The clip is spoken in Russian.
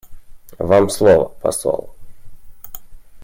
Вам слово, посол.